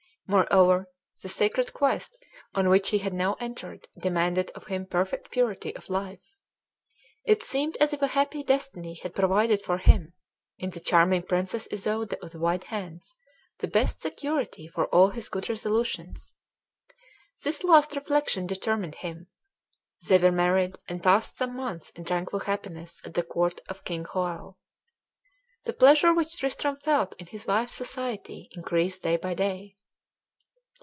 Moreover, the sacred quest on which he had now entered demanded of him perfect purity of life. It seemed as if a happy destiny had provided for him in the charming princess Isoude of the White Hands the best security for all his good resolutions. This last reflection determined him. They were married, and passed some months in tranquil happiness at the court of King Hoel. The pleasure which Tristram felt in his wife's society increased day by day.